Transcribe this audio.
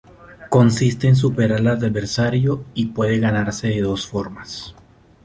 Consiste en superar al adversario y puede ganarse de dos formas.